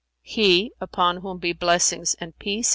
He (upon whom be blessings and peace!)